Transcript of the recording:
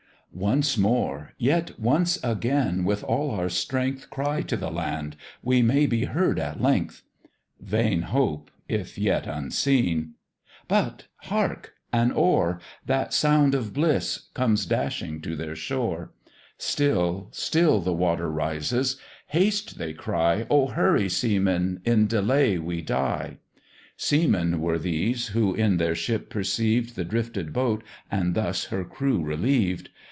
"Once more, yet once again, with all our strength, Cry to the land we may be heard at length." Vain hope if yet unseen! but hark! an oar, That sound of bliss! comes dashing to their shore; Still, still the water rises; "Haste!" they cry, "Oh! hurry, seamen; in delay we die;" (Seamen were these, who in their ship perceived The drifted boat, and thus her crew relieved.)